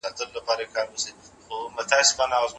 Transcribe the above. پنډي صیب، په اوږه باندي ګڼ توکي راوړه.